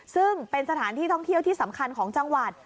ซึ่งเป็นสถานที่ท่องเที่ยวที่สำคัญของจังหวัด